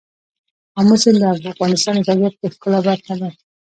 آمو سیند د افغانستان د طبیعت د ښکلا برخه ده.